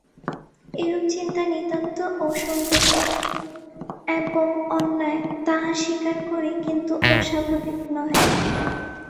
এরূপ চিন্তা নিতান্ত অসংগত এবং অন্যায় তাহা স্বীকার করি কিন্তু অস্বাভাবিক নহে।